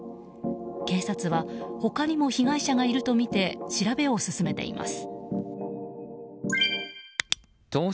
警察は他にも被害者がいるとみて調べを進めています。